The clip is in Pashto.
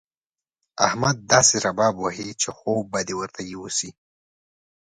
احمد داسې رباب وهي چې خوب به دې ورته يوسي.